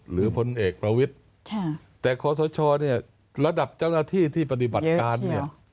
หรือพนเอกประวิษฐ์ใช่แต่ครอสเนี้ยระดับเจ้าหน้าที่ที่ปฏิบัติการเนี้ยเยอะเชียว